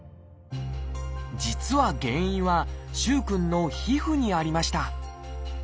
実は原因は萩くんの皮膚にありました。